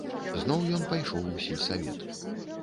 Зноў ён пайшоў у сельсавет.